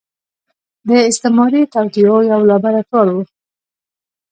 د استعماري توطيو يو لابراتوار و.